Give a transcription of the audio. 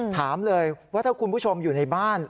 ถามเลยว่าถ้าคุณผู้ชมอยู่ในบ้าน